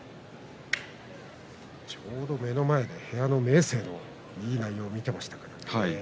ちょうど目の前に部屋の明生のいい内容を見ていました。